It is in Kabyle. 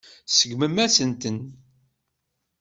Tseggmem-asen-ten.